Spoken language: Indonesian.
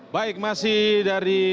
baik masih dari